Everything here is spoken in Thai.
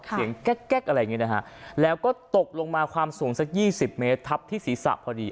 แก๊กอะไรอย่างนี้นะฮะแล้วก็ตกลงมาความสูงสัก๒๐เมตรทับที่ศีรษะพอดี